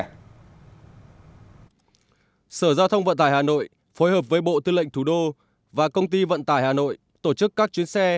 sở giao thông vận tải hà nội phối hợp với bộ tư lệnh thủ đô và công ty vận tải hà nội tổ chức các chuyến xe